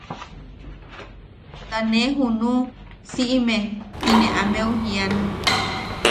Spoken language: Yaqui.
Ta ne junu siʼime ti ne ameu jian.